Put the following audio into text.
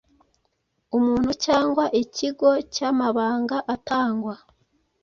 umuntu cyangwa ikigo cyamabanga atangwa